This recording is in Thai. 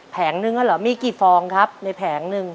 แงนึงเหรอมีกี่ฟองครับในแผงหนึ่ง